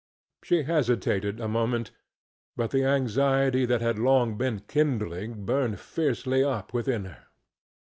She hesitated a moment, but the anxiety that had long been kindling burned fiercely up within her.